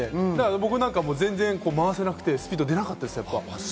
僕なんかは全然回せなくてスピード出なかったです。